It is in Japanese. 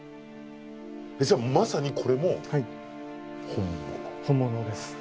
じゃあまさにこれも本物？